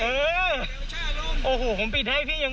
โอ้ยพี่เฮ้ยก็พี่ไม่ได้ปิดเนาะ